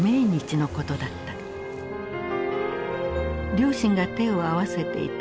両親が手を合わせていた